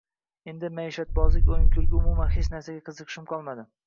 Endi maishatbozlik, o‘yin-kulgu, umuman, hech narsaga qiziqishim qolmadi